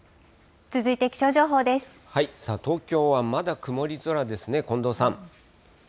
東京はまだ曇り空ですね、近藤さん。